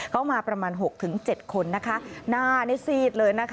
เขามาประมาณ๖๗คนนะคะหน้านี่ซีดเลยนะคะ